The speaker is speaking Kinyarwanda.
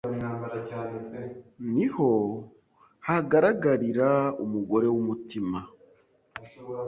niho hagaragarira umugore w’umutima